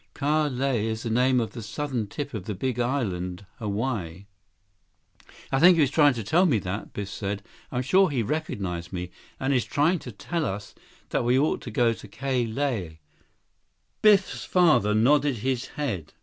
"Ka Lae is the name of the southern tip of the Big Island Hawaii." "I think he was trying to tell me that," Biff said. "I'm sure he recognized me, and is trying to tell us that we ought to go to Ka Lae." Biff's father nodded his head.